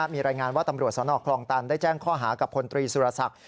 มีรายงานว่าตำรวจสนคลองตันได้แจ้งข้อหากับพลตรีสุรศักดิ์